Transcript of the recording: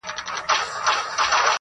د استعمارګرو ژبه وکاروي.